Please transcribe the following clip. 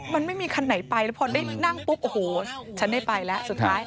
มันไม่มีคันไหนไปแล้วพอได้นั่งปุ๊บโอ้โหฉันได้ไปแล้วสุดท้าย